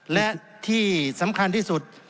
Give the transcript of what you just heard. และที่สำคัญที่สุด